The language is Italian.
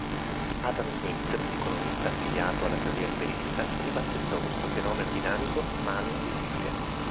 Adam Smith, economista affiliato alla teoria liberista, ribattezzò questo fenomeno dinamico "mano invisibile".